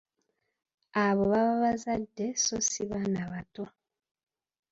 Abo baba bazadde sso si baana bato.